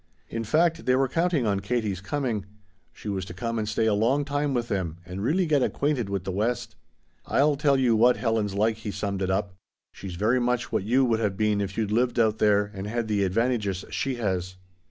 In fact they were counting on Katie's coming. She was to come and stay a long time with them and really get acquainted with the West. "I'll tell you what Helen's like," he summed it up. "She's very much what you would have been if you'd lived out there and had the advantages she has."